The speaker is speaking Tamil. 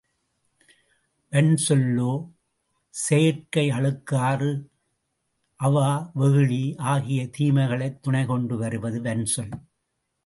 வன்சொல்லோ செயற்கை அழுக்காறு, அவா, வெகுளி ஆகிய தீமைகளைத் துணைக் கொண்டு வருவது வன்சொல்.